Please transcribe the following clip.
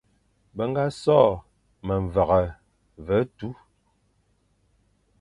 Be ñga sô memveghe ve tu,